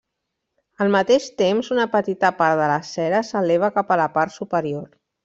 Al mateix temps una petita part de la cera s'eleva cap a la part superior.